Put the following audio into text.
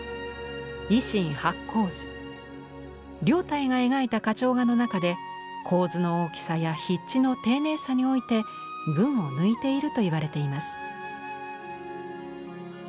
凌岱が描いた花鳥画の中で構図の大きさや筆致の丁寧さにおいて群を抜いているといわれています。